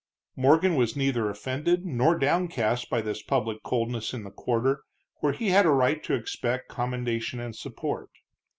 Morgan was neither offended nor downcast by this public coldness in the quarter where he had a right to expect commendation and support.